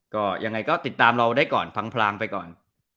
ก็ยังไงก็ติดตามเราได้ก่อนฟังพรางไปก่อน